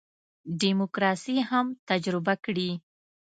دیموکراسي هم تجربه کړي.